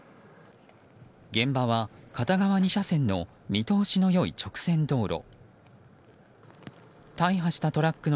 現場は片側２車線の見通しの良い直線道路。